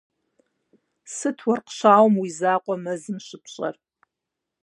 - Сыт уэркъ щауэм уи закъуэ мэзым щыпщӀэр?